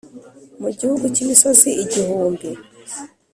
mu gihugu cy'imisozi igihumbi.